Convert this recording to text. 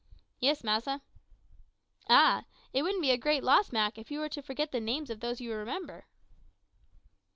"Yis, massa." "Ah! it wouldn't be a great loss, Mak, if you were to forget the names of those you remember."